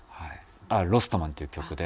『ロストマン』っていう曲で。